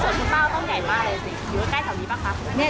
ส่วนคุณป้าต้นใหญ่มากเลยสิอยู่ใกล้แถวนี้ป่ะคะ